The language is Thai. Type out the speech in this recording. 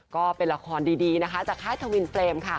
ก็เป็นละครดีจากค้าทวินเฟรม